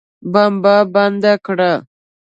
بمبه بنده کړه.